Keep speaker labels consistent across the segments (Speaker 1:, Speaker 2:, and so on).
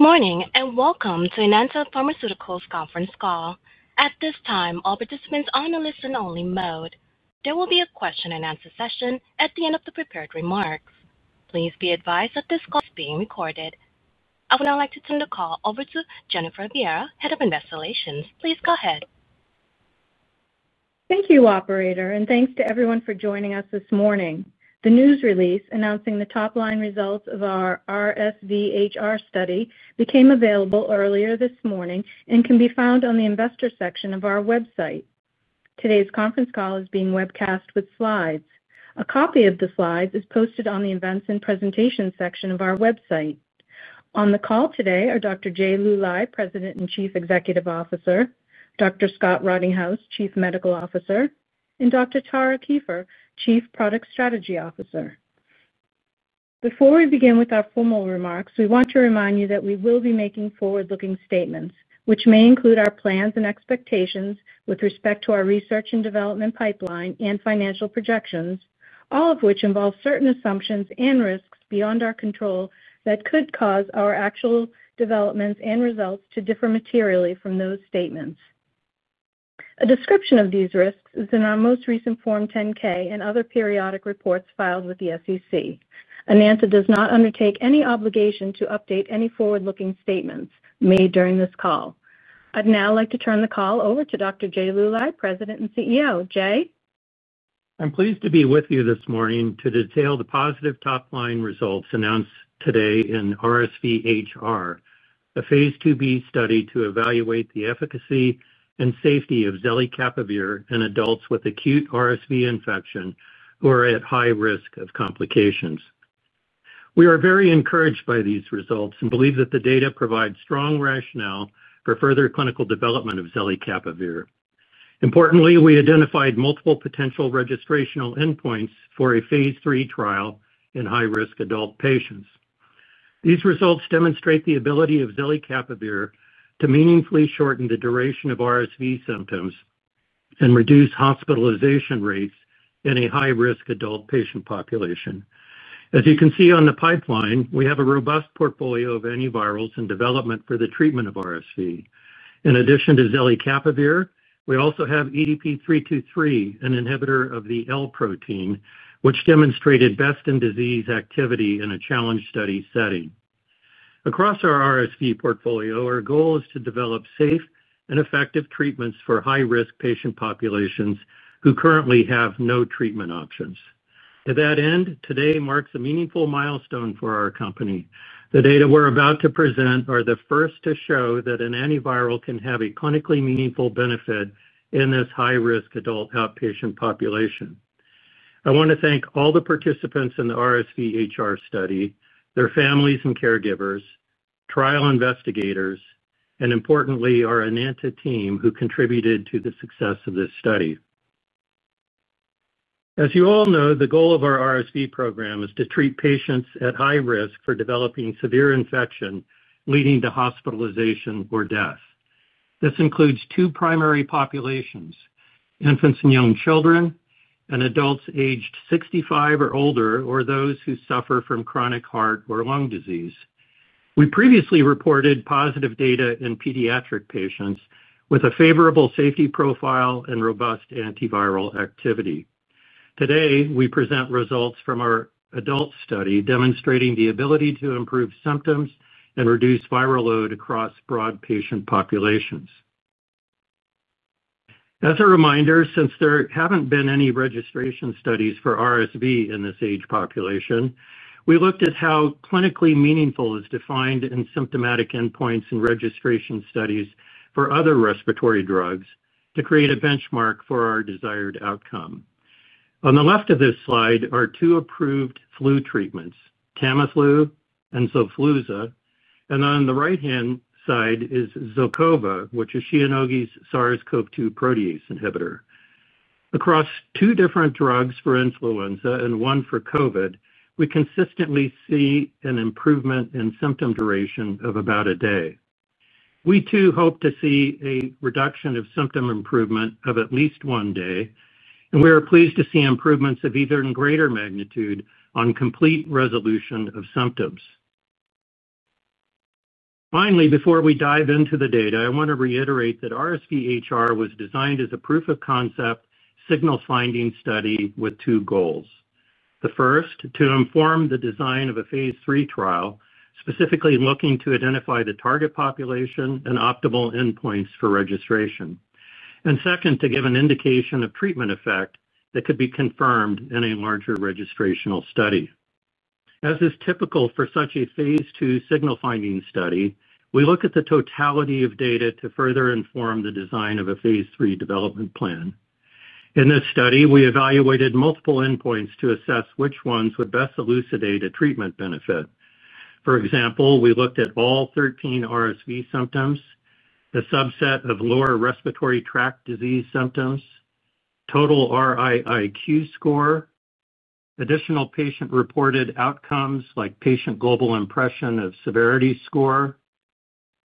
Speaker 1: Morning and welcome to the Enanta Pharmaceuticals Conference Call. At this time, all participants are in a listen-only mode. There will be a question-and-answer session at the end of the prepared remarks. Please be advised that this call is being recorded. I would now like to turn the call over to Jennifer Viera, Head of Investor Relations. Please go ahead.
Speaker 2: Thank you, operator, and thanks to everyone for joining us this morning. The news release announcing the top-line results of our RSVHR study became available earlier this morning and can be found on the Investor section of our website. Today's conference call is being webcast with slides. A copy of the slides is posted on the Events and Presentations section of our website. On the call today are Dr. Jay Luly, President and Chief Executive Officer; Dr. Scott Rottinghaus, Chief Medical Officer; and Dr. Tara Kieffer, Chief Product Strategy Officer. Before we begin with our formal remarks, we want to remind you that we will be making forward-looking statements, which may include our plans and expectations with respect to our research and development pipeline and financial projections, all of which involve certain assumptions and risks beyond our control that could cause our actual developments and results to differ materially from those statements. A description of these risks is in our most recent Form 10-K and other periodic reports filed with the SEC. Enanta does not undertake any obligation to update any forward-looking statements made during this call. I'd now like to turn the call over to Dr. Jay Luly, President and CEO. Jay?
Speaker 3: I'm pleased to be with you this morning to detail the positive top-line results announced today in RSVHR, a phase II-B study to evaluate the efficacy and safety of zelicapavir in adults with acute RSV infection who are at high risk of complications. We are very encouraged by these results and believe that the data provide strong rationale for further clinical development of zelicapavir. Importantly, we identified multiple potential registrational endpoints for a phase III trial in high-risk adult patients. These results demonstrate the ability of zelicapavir to meaningfully shorten the duration of RSV symptoms and reduce hospitalization rates in a high-risk adult patient population. As you can see on the pipeline, we have a robust portfolio of antivirals in development for the treatment of RSV. In addition to zelicapavir, we also have EDP-323, an inhibitor of the L-protein, which demonstrated best in disease activity in a challenge study setting. Across our RSV portfolio, our goal is to develop safe and effective treatments for high-risk patient populations who currently have no treatment options. To that end, today marks a meaningful milestone for our company. The data we're about to present are the first to show that an antiviral can have a clinically meaningful benefit in this high-risk adult outpatient population. I want to thank all the participants in the RSVHR study, their families and caregivers, trial investigators, and importantly, our Enanta team who contributed to the success of this study. As you all know, the goal of our RSV program is to treat patients at high risk for developing severe infection leading to hospitalization or death. This includes two primary populations: infants and young children, and adults aged 65 or older, or those who suffer from chronic heart or lung disease. We previously reported positive data in pediatric patients with a favorable safety profile and robust antiviral activity. Today, we present results from our adult study demonstrating the ability to improve symptoms and reduce viral load across broad patient populations. As a reminder, since there haven't been any registration studies for RSV in this age population, we looked at how clinically meaningful is defined in symptomatic endpoints and registration studies for other respiratory drugs to create a benchmark for our desired outcome. On the left of this slide are two approved flu treatments: Tamiflu and Xofluza. On the right-hand side is Zocova, which is Shionogi's SARS-CoV-2 protease inhibitor. Across two different drugs for influenza and one for COVID, we consistently see an improvement in symptom duration of about a day. We too hope to see a reduction of symptom improvement of at least one day, and we are pleased to see improvements of even greater magnitude on complete resolution of symptoms. Finally, before we dive into the data, I want to reiterate that RSVHR was designed as a proof-of-concept signal-finding study with two goals. The first, to inform the design of a phase III trial, specifically looking to identify the target population and optimal endpoints for registration. The second, to give an indication of treatment effect that could be confirmed in a larger registrational study. As is typical for such a phase II signal-finding study, we look at the totality of data to further inform the design of a phase III development plan. In this study, we evaluated multiple endpoints to assess which ones would best elucidate a treatment benefit. For example, we looked at all 13 RSV symptoms, a subset of lower respiratory tract disease symptoms, total RIIQ score, additional patient-reported outcomes like patient global impression of severity score,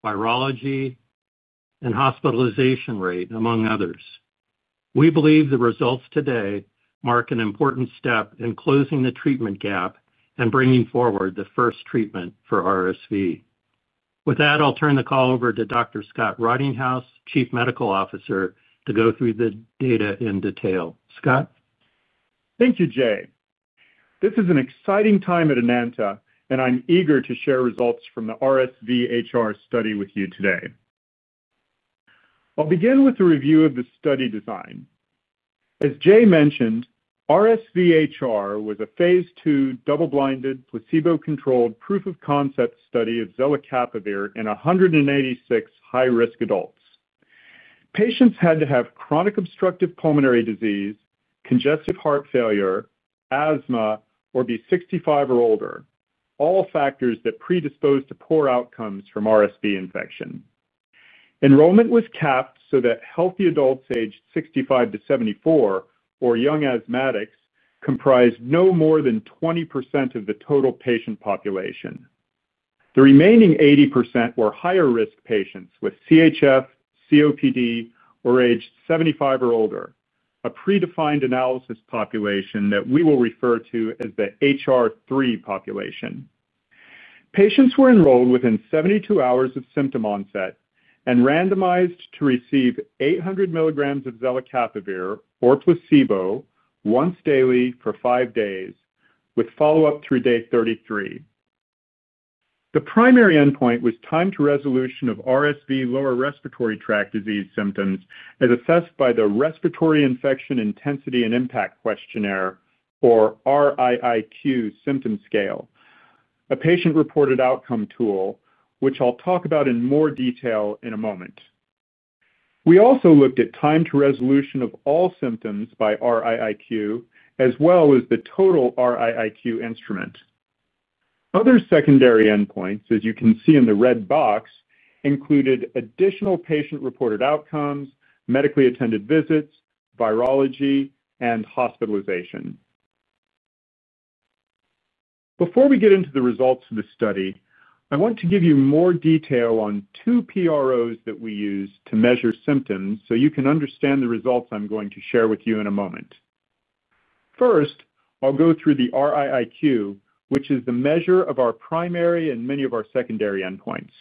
Speaker 3: virology, and hospitalization rate, among others. We believe the results today mark an important step in closing the treatment gap and bringing forward the first treatment for RSV. With that, I'll turn the call over to Dr. Scott Rottinghaus, Chief Medical Officer, to go through the data in detail. Scott.
Speaker 4: Thank you, Jay. This is an exciting time at Enanta, and I'm eager to share results from the RSVHR study with you today. I'll begin with a review of the study design. As Jay mentioned, RSVHR was a phase II, double-blinded, placebo-controlled proof-of-concept study of zelicapavir in 186 high-risk adults. Patients had to have chronic obstructive pulmonary disease, congestive heart failure, asthma, or be 65 or older, all factors that predispose to poor outcomes from RSV infection. Enrollment was capped so that healthy adults aged 65-74 or young asthmatics comprised no more than 20% of the total patient population. The remaining 80% were higher-risk patients with CHF, COPD, or age 75 or older, a predefined analysis population that we will refer to as the HR3 population. Patients were enrolled within 72 hours of symptom onset and randomized to receive 800 mg of zelicapavir or placebo once daily for five days with follow-up through day 33. The primary endpoint was time to resolution of RSV lower respiratory tract disease symptoms as assessed by the Respiratory Infection Intensity and Impact Questionnaire, or RIIQ symptom scale, a patient-reported outcome tool, which I'll talk about in more detail in a moment. We also looked at time to resolution of all symptoms by RIIQ, as well as the total RIIQ instrument. Other secondary endpoints, as you can see in the red box, included additional patient-reported outcomes, medically attended visits, virology, and hospitalization. Before we get into the results of the study, I want to give you more detail on two PROs that we use to measure symptoms so you can understand the results I'm going to share with you in a moment. First, I'll go through the RIIQ, which is the measure of our primary and many of our secondary endpoints.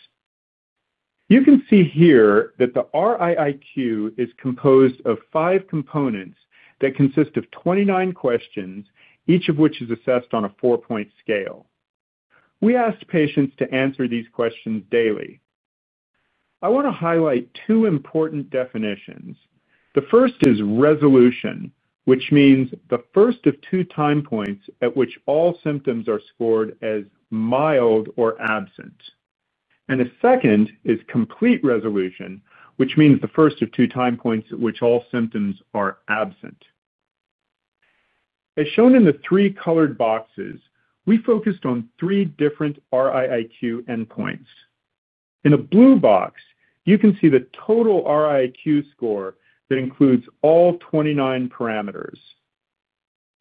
Speaker 4: You can see here that the RIIQ is composed of five components that consist of 29 questions, each of which is assessed on a four-point scale. We asked patients to answer these questions daily. I want to highlight two important definitions. The first is resolution, which means the first of two time points at which all symptoms are scored as mild or absent. The second is complete resolution, which means the first of two time points at which all symptoms are absent. As shown in the three colored boxes, we focused on three different RIIQ endpoints. In the blue box, you can see the total RIIQ score that includes all 29 parameters.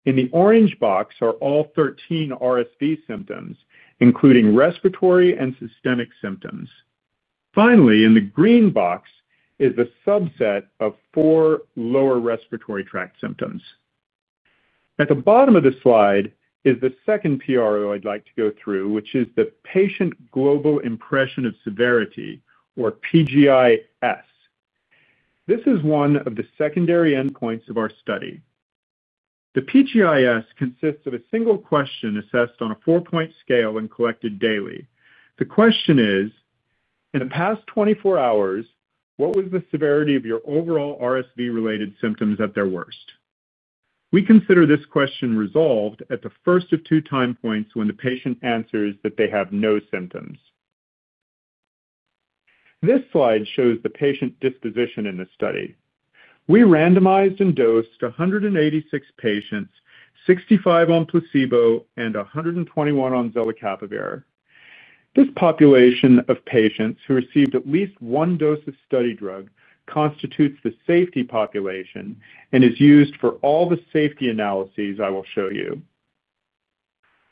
Speaker 4: In the orange box are all 13 RSV symptoms, including respiratory and systemic symptoms. Finally, in the green box is the subset of four lower respiratory tract symptoms. At the bottom of the slide is the second PRO I'd like to go through, which is the patient global impression of severity, or PGIS. This is one of the secondary endpoints of our study. The PGIS consists of a single question assessed on a four-point scale and collected daily. The question is, in the past 24 hours, what was the severity of your overall RSV-related symptoms at their worst? We consider this question resolved at the first of two time points when the patient answers that they have no symptoms. This slide shows the patient disposition in the study. We randomized and dosed 186 patients, 65 on placebo and 121 on zelicapavir. This population of patients who received at least one dose of study drug constitutes the safety population and is used for all the safety analyses I will show you.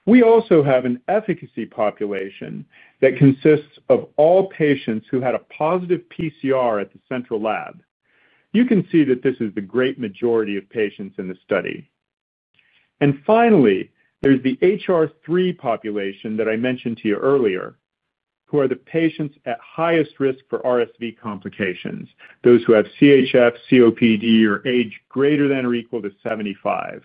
Speaker 4: We also have an efficacy population that consists of all patients who had a positive PCR at the central lab. You can see that this is the great majority of patients in the study. Finally, there's the HR3 population that I mentioned to you earlier, who are the patients at highest risk for RSV complications, those who have CHF, COPD, or age greater than or equal to 75.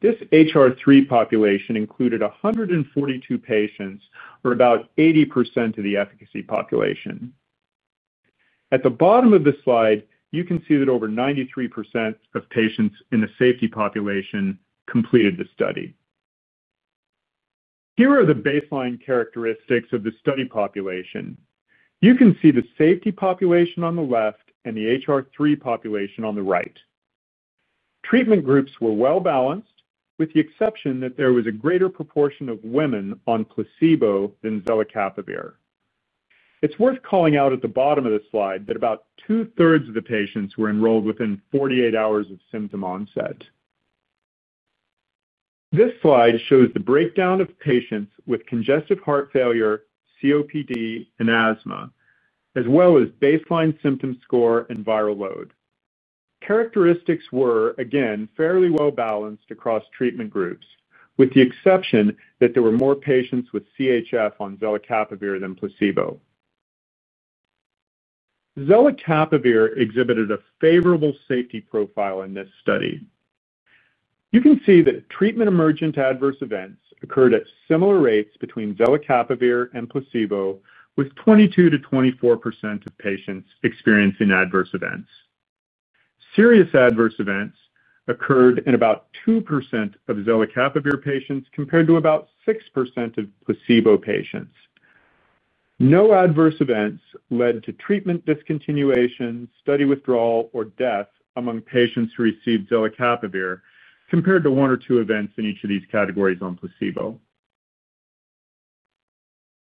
Speaker 4: This HR3 population included 142 patients or about 80% of the efficacy population. At the bottom of the slide, you can see that over 93% of patients in the safety population completed the study. Here are the baseline characteristics of the study population. You can see the safety population on the left and the HR3 population on the right. Treatment groups were well balanced, with the exception that there was a greater proportion of women on placebo than zelicapavir. It's worth calling out at the bottom of the slide that about 2/3 of the patients were enrolled within 48 hours of symptom onset. This slide shows the breakdown of patients with congestive heart failure, COPD, and asthma, as well as baseline symptom score and viral load. Characteristics were, again, fairly well balanced across treatment groups, with the exception that there were more patients with CHF on zelicapavir than placebo. zelicapavir exhibited a favorable safety profile in this study. You can see that treatment-emergent adverse events occurred at similar rates between zelicapavir and placebo, with 22%-24% of patients experiencing adverse events. Serious adverse events occurred in about 2% of zelicapavir patients compared to about 6% of placebo patients. No adverse events led to treatment discontinuation, study withdrawal, or death among patients who received zelicapavir, compared to one or two events in each of these categories on placebo.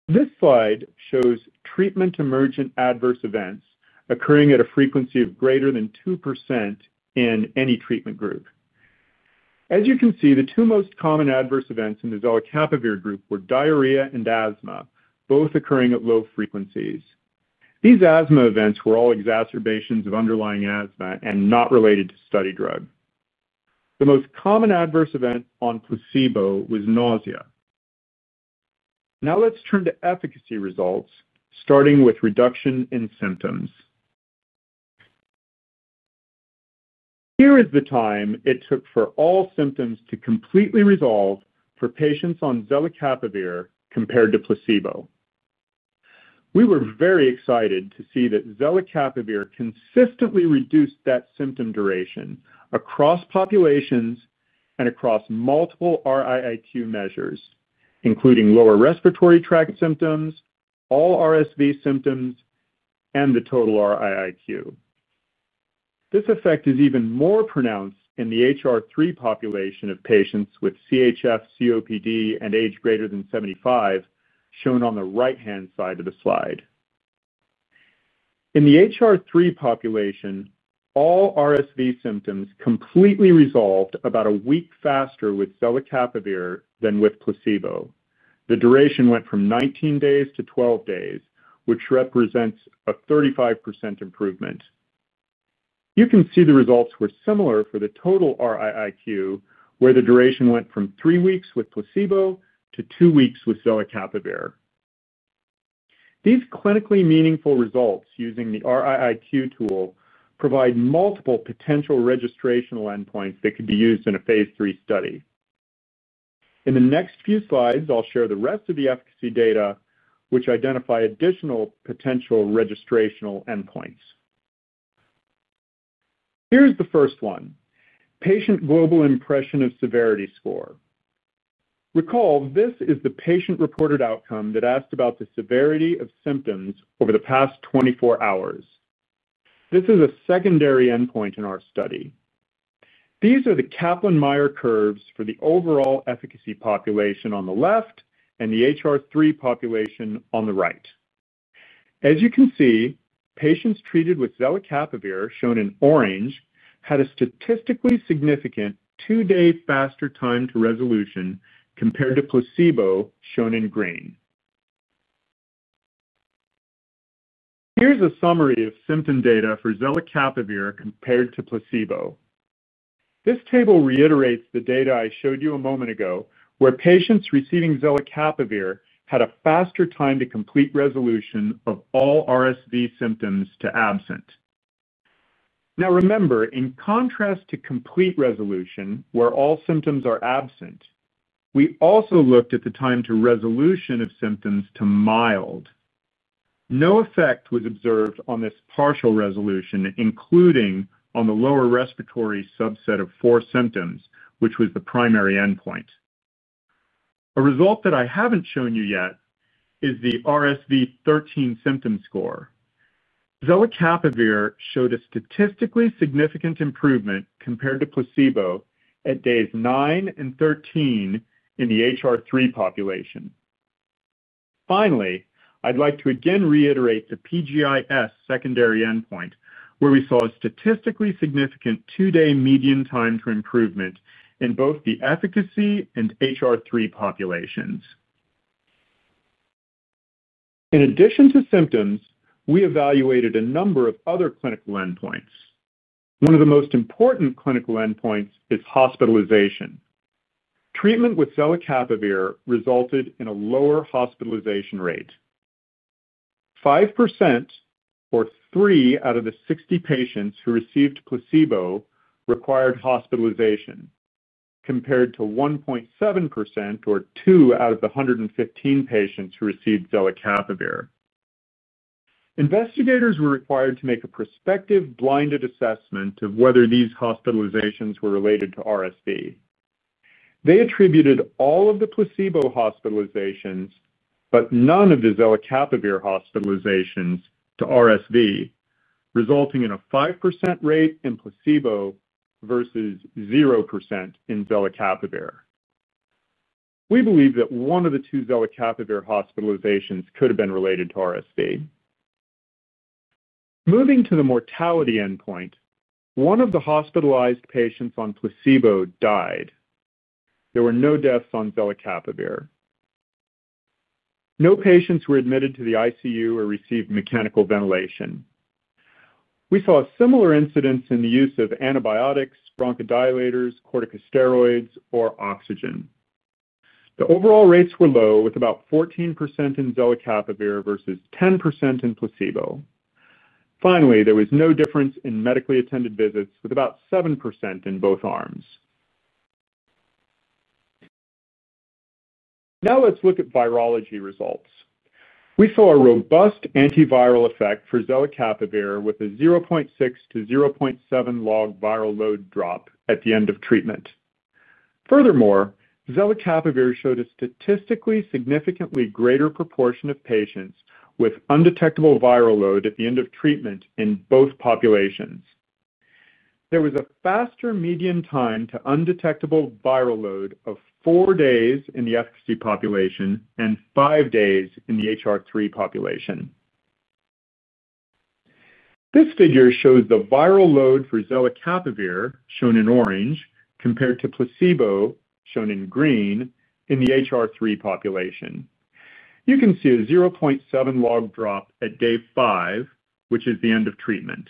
Speaker 4: This slide shows treatment-emergent adverse events occurring at a frequency of greater than 2% in any treatment group. As you can see, the two most common adverse events in the zelicapavir group were diarrhea and asthma, both occurring at low frequencies. These asthma events were all exacerbations of underlying asthma and not related to study drug. The most common adverse event on placebo was nausea. Now let's turn to efficacy results, starting with reduction in symptoms. Here is the time it took for all symptoms to completely resolve for patients on zelicapavir compared to placebo. We were very excited to see that zelicapavir consistently reduced that symptom duration across populations and across multiple RIIQ measures, including lower respiratory tract symptoms, all RSV symptoms, and the total RIIQ. This effect is even more pronounced in the HR3 population of patients with CHF, COPD, and age greater than 75, shown on the right-hand side of the slide. In the HR3 population, all RSV symptoms completely resolved about a week faster with zelicapavir than with placebo. The duration went from 19 days to 12 days, which represents a 35% improvement. You can see the results were similar for the total RIIQ, where the duration went from three weeks with placebo to two weeks with zelicapavir. These clinically meaningful results using the RIIQ tool provide multiple potential registrational endpoints that could be used in a phase III study. In the next few slides, I'll share the rest of the efficacy data, which identify additional potential registrational endpoints. Here's the first one, patient global impression of severity score. Recall, this is the patient-reported outcome that asked about the severity of symptoms over the past 24 hours. This is a secondary endpoint in our study. These are the Kaplan-Meier curves for the overall efficacy population on the left and the HR3 population on the right. As you can see, patients treated with zelicapavir, shown in orange, had a statistically significant two-day faster time to resolution compared to placebo, shown in green. Here's a summary of symptom data for zelicapavir compared to placebo. This table reiterates the data I showed you a moment ago, where patients receiving zelicapavir had a faster time to complete resolution of all RSV symptoms to absent. Now remember, in contrast to complete resolution, where all symptoms are absent, we also looked at the time to resolution of symptoms to mild. No effect was observed on this partial resolution, including on the lower respiratory subset of four symptoms, which was the primary endpoint. A result that I haven't shown you yet is the RSV-13 symptom score. zelicapavir showed a statistically significant improvement compared to placebo at days 9 and 13 in the HR3 population. Finally, I'd like to again reiterate the PGIS secondary endpoint, where we saw a statistically significant two-day median time to improvement in both the efficacy and HR3 populations. In addition to symptoms, we evaluated a number of other clinical endpoints. One of the most important clinical endpoints is hospitalization. Treatment with zelicapavir resulted in a lower hospitalization rate. 5%, or 3 out of the 60 patients who received placebo, required hospitalization, compared to 1.7%, or 2 out of the 115 patients who received zelicapavir. Investigators were required to make a prospective blinded assessment of whether these hospitalizations were related to RSV. They attributed all of the placebo hospitalizations, but none of the zelicapavir hospitalizations to RSV, resulting in a 5% rate in placebo versus 0% in zelicapavir. We believe that one of the two zelicapavir hospitalizations could have been related to RSV. Moving to the mortality endpoint, one of the hospitalized patients on placebo died. There were no deaths on zelicapavir. No patients were admitted to the ICU or received mechanical ventilation. We saw similar incidents in the use of antibiotics, bronchodilators, corticosteroids, or oxygen. The overall rates were low, with about 14% in zelicapavir versus 10% in placebo. Finally, there was no difference in medically attended visits, with about 7% in both arms. Now let's look at virology results. We saw a robust antiviral effect for zelicapavir with a 0.6-0.7 log viral load drop at the end of treatment. Furthermore, zelicapavir showed a statistically significantly greater proportion of patients with undetectable viral load at the end of treatment in both populations. There was a faster median time to undetectable viral load of four days in the efficacy population and five days in the HR3 population. This figure shows the viral load for zelicapavir, shown in orange, compared to placebo, shown in green, in the HR3 population. You can see a 0.7 log drop at day five, which is the end of treatment.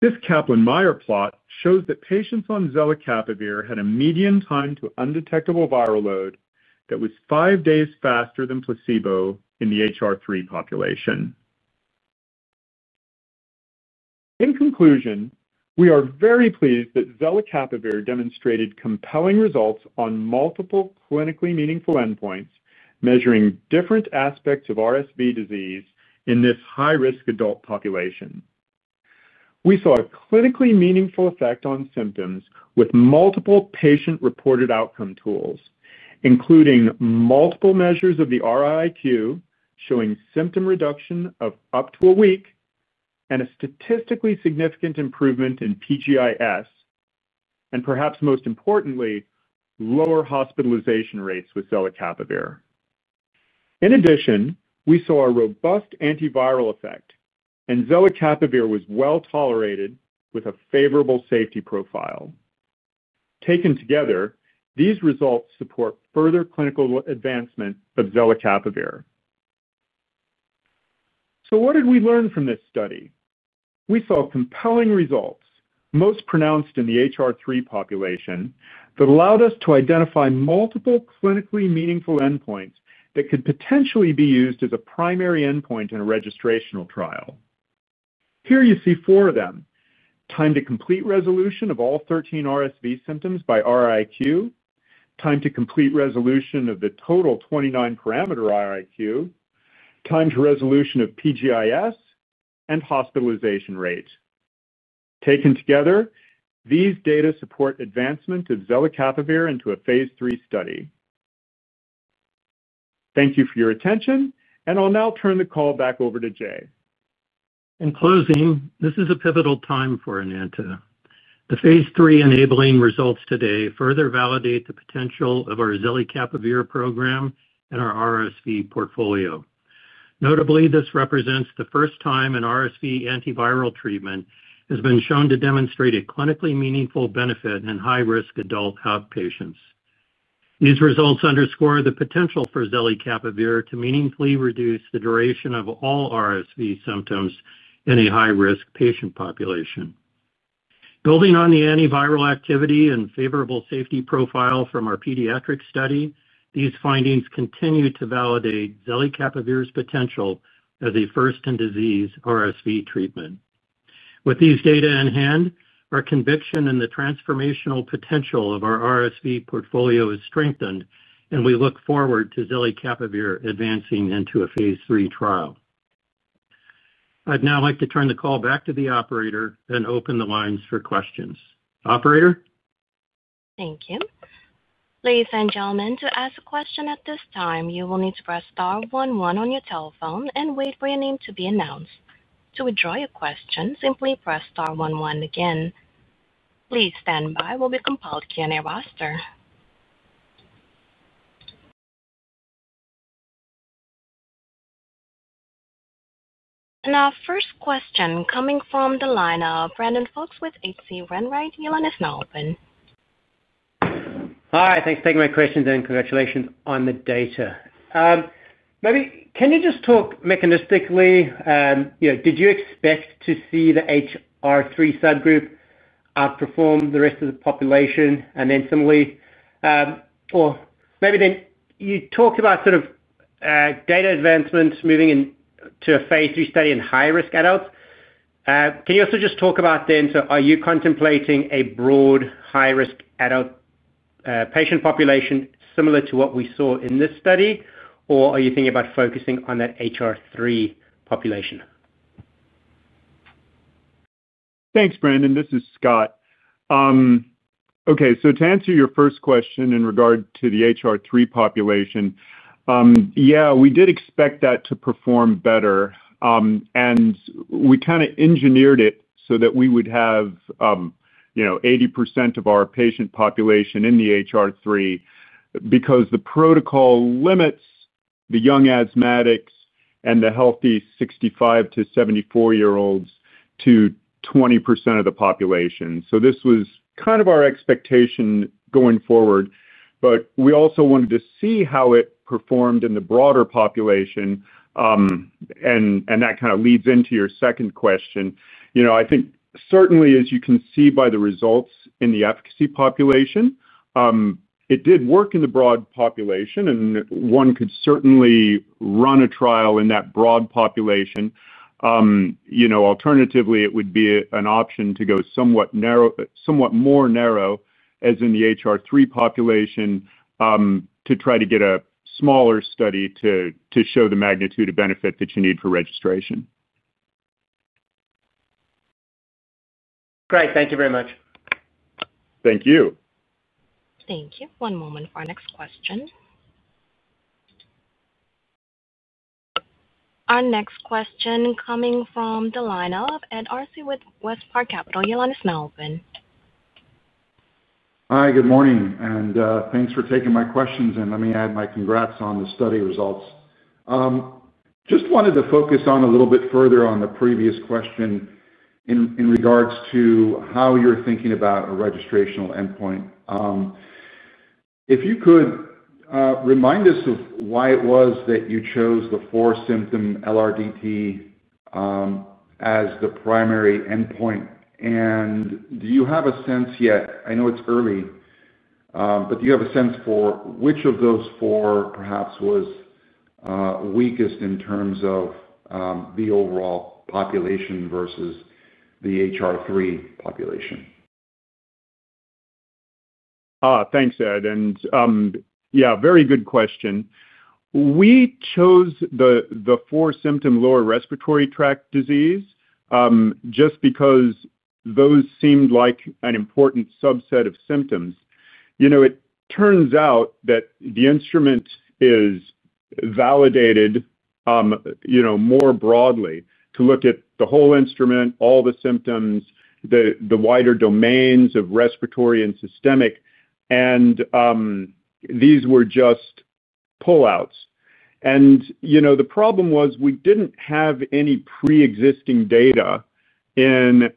Speaker 4: This Kaplan-Meier plot shows that patients on zelicapavir had a median time to undetectable viral load that was five days faster than placebo in the HR3 population. In conclusion, we are very pleased that zelicapavir demonstrated compelling results on multiple clinically meaningful endpoints measuring different aspects of RSV disease in this high-risk adult population. We saw a clinically meaningful effect on symptoms with multiple patient-reported outcome tools, including multiple measures of the RIIQ showing symptom reduction of up to a week and a statistically significant improvement in PGIS, and perhaps most importantly, lower hospitalization rates with zelicapavir. In addition, we saw a robust antiviral effect, and zelicapavir was well tolerated with a favorable safety profile. Taken together, these results support further clinical advancement of zelicapavir. What did we learn from this study? We saw compelling results, most pronounced in the HR3 population, that allowed us to identify multiple clinically meaningful endpoints that could potentially be used as a primary endpoint in a registrational trial. Here you see four of them: time to complete resolution of all 13 RSV symptoms by RIIQ, time to complete resolution of the total 29 parameter RIIQ, time to resolution of PGIS, and hospitalization rate. Taken together, these data support advancement of zelicapavir into a phase III study. Thank you for your attention, and I'll now turn the call back over to Jay.
Speaker 3: In closing, this is a pivotal time for Enanta. The phase III enabling results today further validate the potential of our zelicapavir program and our RSV portfolio. Notably, this represents the first time an RSV antiviral treatment has been shown to demonstrate a clinically meaningful benefit in high-risk adult outpatients. These results underscore the potential for zelicapavir to meaningfully reduce the duration of all RSV symptoms in a high-risk patient population. Building on the antiviral activity and favorable safety profile from our pediatric study, these findings continue to validate zelicapavir's potential as a first-in-disease RSV treatment. With these data in hand, our conviction in the transformational potential of our RSV portfolio is strengthened, and we look forward to zelicapavir advancing into a phase III trial. I'd now like to turn the call back to the operator and open the lines for questions. Operator?
Speaker 1: Thank you. Ladies and gentlemen, to ask a question at this time, you will need to press star one one on your telephone and wait for your name to be announced. To withdraw your question, simply press star one one again. Please stand by. We'll be compelled to queue your roster. Our first question coming from the line of Brandon Folkes with H.C. Wainwright. Your line is now open.
Speaker 5: Hi, thanks for taking my questions, and congratulations on the data. Can you just talk mechanistically? Did you expect to see the HR3 subgroup outperform the rest of the population? Similarly, you talked about sort of data advancements moving into a phase III study in high-risk adults. Can you also just talk about, are you contemplating a broad high-risk adult patient population similar to what we saw in this study, or are you thinking about focusing on that HR3 population?
Speaker 4: Thanks, Brandon. This is Scott. To answer your first question in regard to the HR3 population, yeah, we did expect that to perform better. We kind of engineered it so that we would have 80% of our patient population in the HR3 because the protocol limits the young asthmatics and the healthy 65-74 year-olds to 20% of the population. This was kind of our expectation going forward. We also wanted to see how it performed in the broader population. That kind of leads into your second question. I think certainly, as you can see by the results in the efficacy population, it did work in the broad population. One could certainly run a trial in that broad population. Alternatively, it would be an option to go somewhat more narrow, as in the HR3 population, to try to get a smaller study to show the magnitude of benefit that you need for registration.
Speaker 5: Great, thank you very much.
Speaker 4: Thank you.
Speaker 1: Thank you. One moment for our next question. Our next question coming from the line of Ed Arce with WestPark Capital. Your line is now open.
Speaker 6: Hi, good morning. Thanks for taking my questions. Let me add my congrats on the study results. I just wanted to focus a little bit further on the previous question in regards to how you're thinking about a registrational endpoint. If you could remind us of why it was that you chose the four-symptom LRDT as the primary endpoint. Do you have a sense yet? I know it's early, but do you have a sense for which of those four perhaps was weakest in terms of the overall population versus the HR3 population?
Speaker 4: Thanks, Ed. Very good question. We chose the four-symptom lower respiratory tract disease just because those seemed like an important subset of symptoms. It turns out that the instrument is validated more broadly to look at the whole instrument, all the symptoms, the wider domains of respiratory and systemic. These were just pull-outs. The problem was we didn't have any pre-existing data in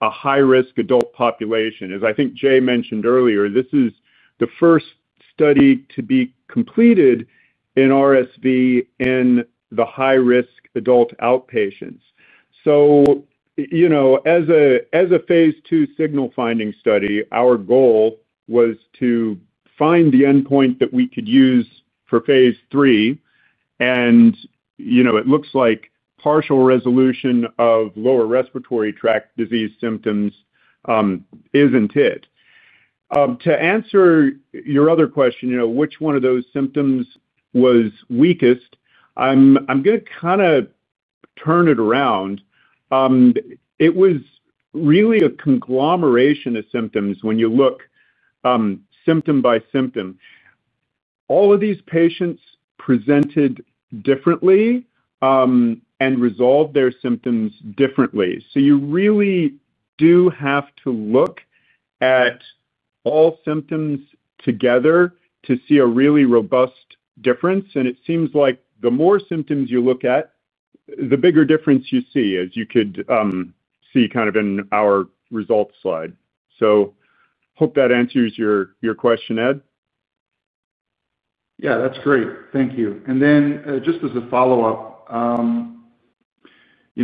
Speaker 4: a high-risk adult population. As I think Jay mentioned earlier, this is the first study to be completed in RSV in the high-risk adult outpatients. As a phase II signal-finding study, our goal was to find the endpoint that we could use for phase III. It looks like partial resolution of lower respiratory tract disease symptoms isn't it. To answer your other question, which one of those symptoms was weakest, I'm going to kind of turn it around. It was really a conglomeration of symptoms when you look symptom by symptom. All of these patients presented differently and resolved their symptoms differently. You really do have to look at all symptoms together to see a really robust difference. It seems like the more symptoms you look at, the bigger difference you see, as you could see in our results slide. I hope that answers your question, Ed.
Speaker 6: That's great. Thank you. Just as a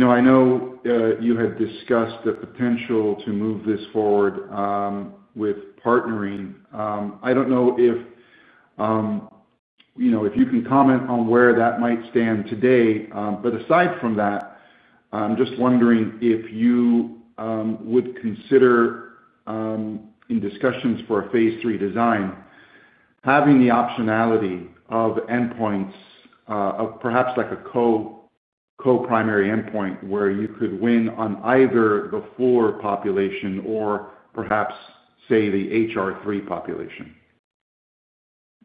Speaker 6: follow-up, I know you had discussed the potential to move this forward with partnering. I don't know if you can comment on where that might stand today. Aside from that, I'm just wondering if you would consider in discussions for a phase III design having the optionality of endpoints of perhaps like a co-primary endpoint where you could win on either the four population or perhaps, say, the HR3 population.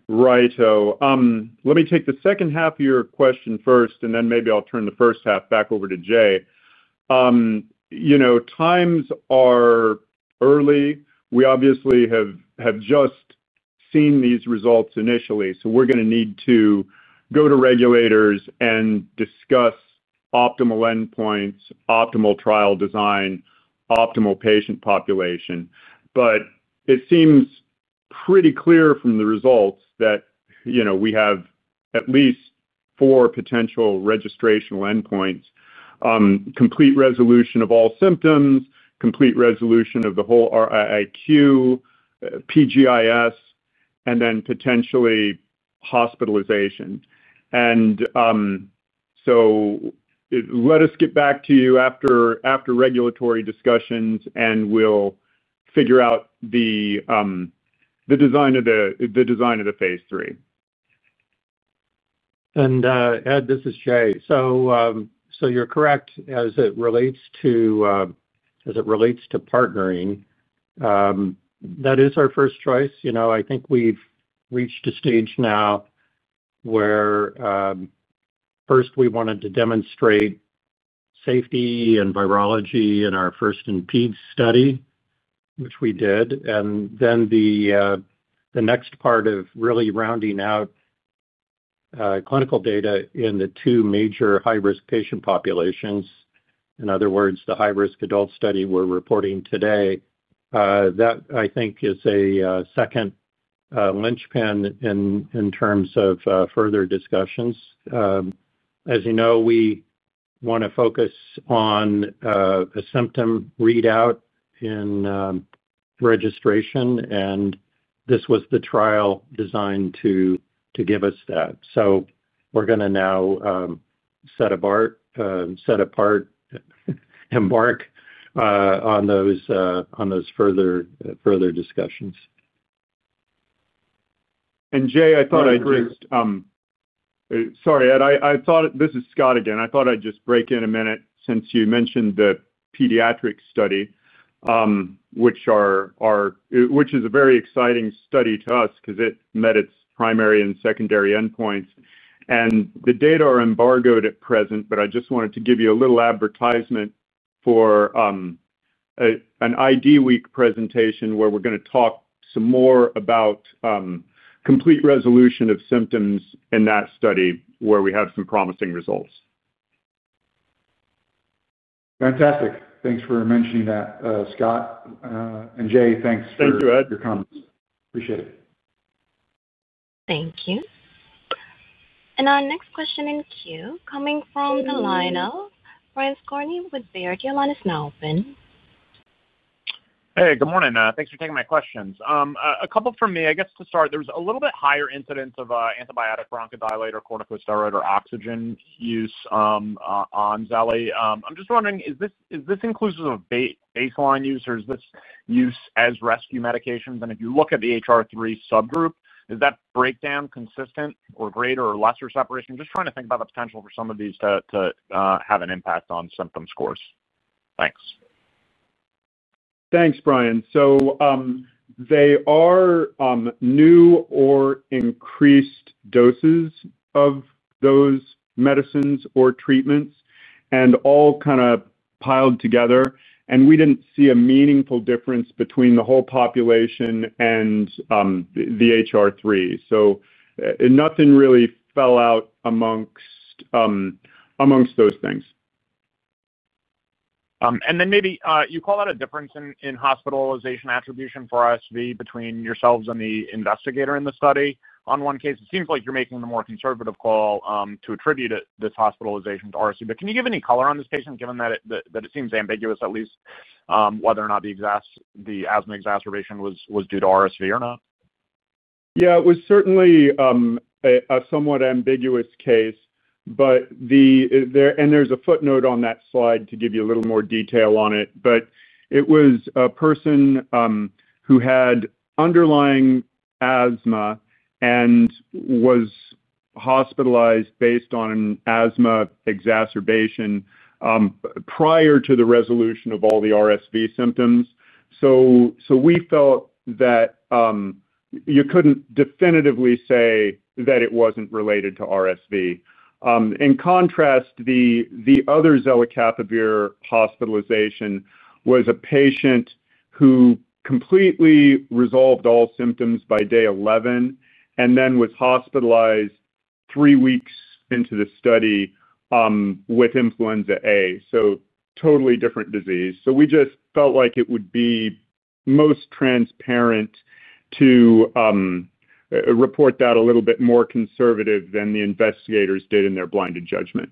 Speaker 4: Right. Let me take the second half of your question first, and then maybe I'll turn the first half back over to Jay. Times are early. We obviously have just seen these results initially. We are going to need to go to regulators and discuss optimal endpoints, optimal trial design, optimal patient population. It seems pretty clear from the results that we have at least four potential registrational endpoints: complete resolution of all symptoms, complete resolution of the whole RIIQ, PGIS, and then potentially hospitalization. Let us get back to you after regulatory discussions, and we'll figure out the design of the phase III.
Speaker 3: Ed, this is Jay. You're correct as it relates to partnering. That is our first choice. I think we've reached a stage now where first we wanted to demonstrate safety and virology in our first RSVPED study, which we did. The next part of really rounding out clinical data in the two major high-risk patient populations, in other words, the high-risk adult study we're reporting today, I think is a second linchpin in terms of further discussions. As you know, we want to focus on a symptom readout in registration, and this was the trial designed to give us that. We are going to now set apart and embark on those further discussions.
Speaker 4: Jay, I thought I'd just. Sorry, Ed. This is Scott again. I thought I'd just break in a minute since you mentioned the pediatric study, which is a very exciting study to us because it met its primary and secondary endpoints. The data are embargoed at present, but I just wanted to give you a little advertisement for an ID Week presentation where we're going to talk some more about complete resolution of symptoms in that study where we had some promising results.
Speaker 6: Fantastic. Thanks for mentioning that, Scott. Jay, thanks.
Speaker 4: Thank you, Ed.
Speaker 6: Your comments. Appreciate it.
Speaker 1: Thank you. Our next question in queue coming from the line of Brian Skorney with Baird. Your line is now open.
Speaker 7: Hey, good morning. Thanks for taking my questions. A couple from me. To start, there's a little bit higher incidence of antibiotic, bronchodilator, corticosteroid, or oxygen use on zelicapavir. I'm just wondering, is this inclusive of baseline use, or is this use as rescue medications? If you look at the HR3 subgroup, is that breakdown consistent or greater or lesser separation? Just trying to think about the potential for some of these to have an impact on symptom scores. Thanks.
Speaker 4: Thanks, Brian. They are new or increased doses of those medicines or treatments, all kind of piled together. We didn't see a meaningful difference between the whole population and the HR3. Nothing really fell out amongst those things.
Speaker 7: Could you call out a difference in hospitalization attribution for RSV between yourselves and the investigator in the study? In one case, it seems like you're making the more conservative call to attribute this hospitalization to RSV. Can you give any color on this patient, given that it seems ambiguous, at least whether or not the asthma exacerbation was due to RSV or not?
Speaker 4: Yeah, it was certainly a somewhat ambiguous case. There's a footnote on that slide to give you a little more detail on it. It was a person who had underlying asthma and was hospitalized based on an asthma exacerbation prior to the resolution of all the RSV symptoms. We felt that you couldn't definitively say that it wasn't related to RSV. In contrast, the other zelicapavir hospitalization was a patient who completely resolved all symptoms by day 11 and then was hospitalized three weeks into the study with influenza A, a totally different disease. We just felt like it would be most transparent to report that a little bit more conservative than the investigators did in their blinded judgment.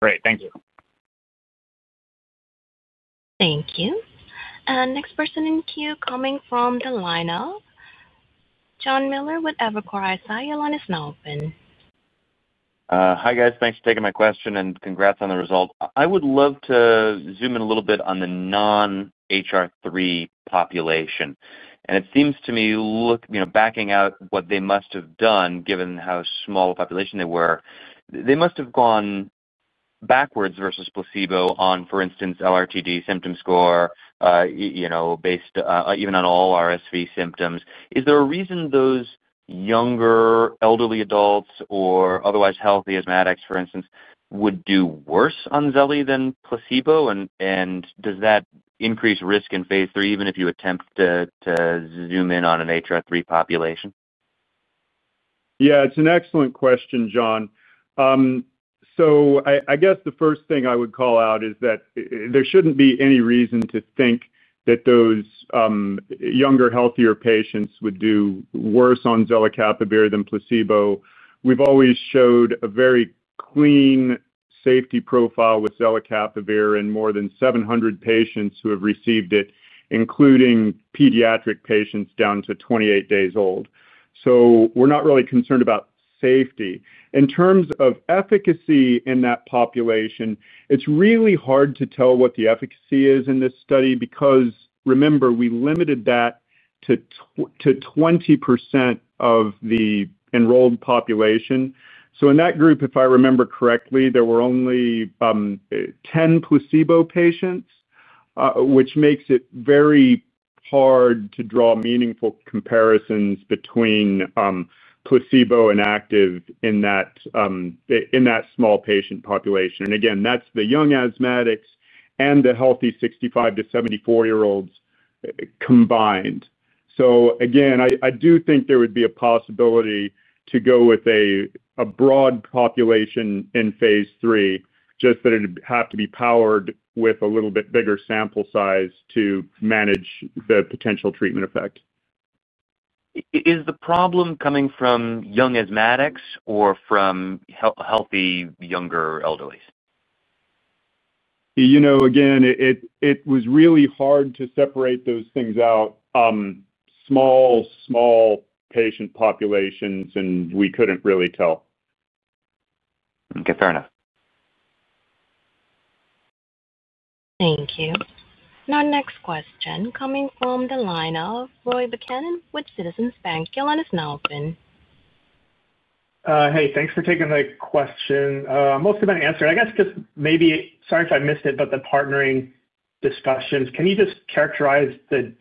Speaker 7: Great. Thank you.
Speaker 1: Thank you. Next person in queue coming from the line of John Miller with Evercore ISI. Your line is now open.
Speaker 8: Hi, guys. Thanks for taking my question and congrats on the result. I would love to zoom in a little bit on the non-HR3 population. It seems to me, looking back at what they must have done, given how small a population they were, they must have gone backwards versus placebo on, for instance, LRTD symptom score, you know, based even on all RSV symptoms. Is there a reason those younger elderly adults or otherwise healthy asthmatics, for instance, would do worse on zelicapavir than placebo? Does that increase risk in phase III, even if you attempt to zoom in on an HR3 population?
Speaker 4: Yeah, it's an excellent question, John. I guess the first thing I would call out is that there shouldn't be any reason to think that those younger, healthier patients would do worse on zelicapavir than placebo. We've always showed a very clean safety profile with zelicapavir in more than 700 patients who have received it, including pediatric patients down to 28 days old. We're not really concerned about safety. In terms of efficacy in that population, it's really hard to tell what the efficacy is in this study because, remember, we limited that to 20% of the enrolled population. In that group, if I remember correctly, there were only 10 placebo patients, which makes it very hard to draw meaningful comparisons between placebo and active in that small patient population. That's the young asthmatics and the healthy 65-74 year-olds combined. I do think there would be a possibility to go with a broad population in phase III, just that it would have to be powered with a little bit bigger sample size to manage the potential treatment effect.
Speaker 8: Is the problem coming from young asthmatics or from healthy younger elderlies?
Speaker 4: It was really hard to separate those things out. Small, small patient populations, and we couldn't really tell.
Speaker 8: OK, fair enough.
Speaker 1: Thank you. Now, next question coming from the line of Roy Buchanan with Citizens Bank. Your line is now open.
Speaker 9: Thanks for taking the question. Maybe, sorry if I missed it, but the partnering discussions, can you just characterize the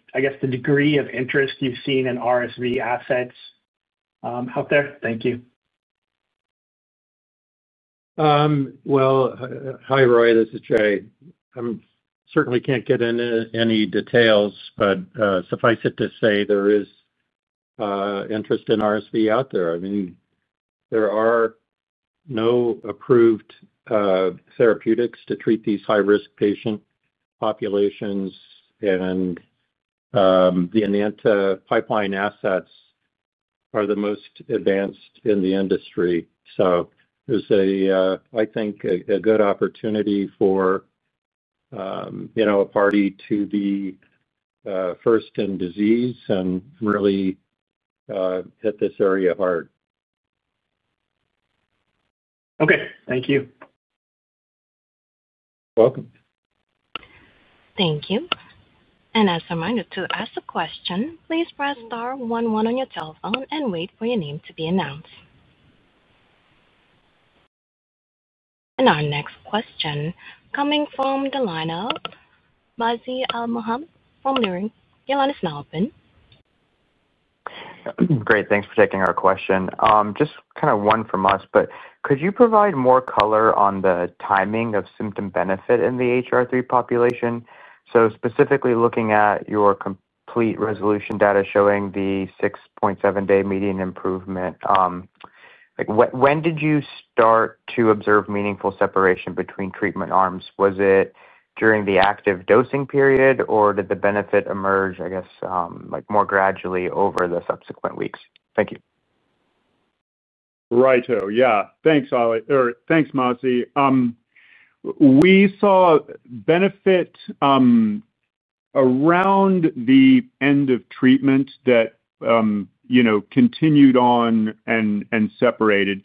Speaker 9: degree of interest you've seen in RSV assets out there? Thank you.
Speaker 3: Hi, Roy. This is Jay. I certainly can't get into any details, but suffice it to say there is interest in RSV out there. I mean, there are no approved therapeutics to treat these high-risk patient populations, and the Enanta pipeline assets are the most advanced in the industry. I think it was a good opportunity for a party to be first in disease and really hit this area hard.
Speaker 9: OK, thank you.
Speaker 3: Welcome.
Speaker 1: Thank you. As a reminder, to ask a question, please press star 11 on your telephone and wait for your name to be announced. Our next question is coming from the line of Mazi Alimohamed from Leerink. Your line is now open.
Speaker 10: Great, thanks for taking our question. Just kind of one from us, but could you provide more color on the timing of symptom benefit in the HR3 population? Specifically looking at your complete resolution data showing the 6.7-day median improvement, when did you start to observe meaningful separation between treatment arms? Was it during the active dosing period, or did the benefit emerge more gradually over the subsequent weeks? Thank you.
Speaker 4: Right, yeah. Thanks, Ali. Thanks, Mazi. We saw benefit around the end of treatment that, you know, continued on and separated.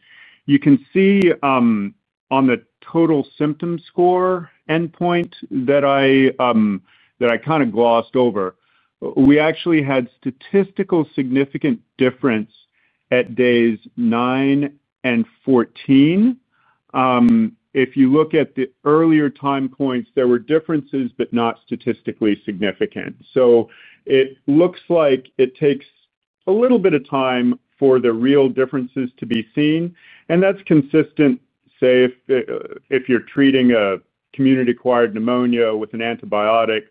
Speaker 4: You can see on the total symptom score endpoint that I kind of glossed over. We actually had statistically significant difference at days 9 and 14. If you look at the earlier time points, there were differences, but not statistically significant. It looks like it takes a little bit of time for the real differences to be seen. That's consistent, say, if you're treating a community-acquired pneumonia with an antibiotic,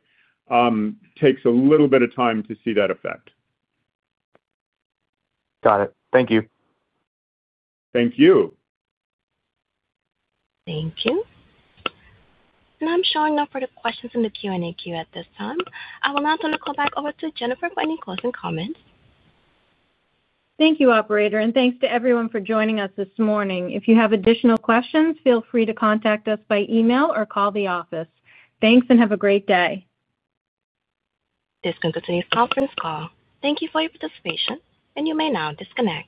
Speaker 4: it takes a little bit of time to see that effect.
Speaker 10: Got it. Thank you.
Speaker 4: Thank you.
Speaker 1: Thank you. I'm showing no further questions in the Q&A queue at this time. I will now turn the call back over to Jennifer for any closing comments.
Speaker 2: Thank you, operator, and thanks to everyone for joining us this morning. If you have additional questions, feel free to contact us by email or call the office. Thanks and have a great day.
Speaker 1: This concludes today's conference call. Thank you for your participation, and you may now disconnect.